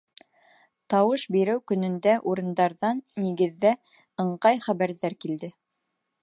Тауыш биреү көнөндә урындарҙан, нигеҙҙә, ыңғай хәбәрҙәр килде.